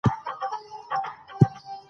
چې بېلابېلو مغولي امراوو په دربارونو کې